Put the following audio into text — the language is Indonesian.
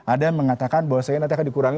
ada yang mengatakan bahwa saya nanti akan dikurangi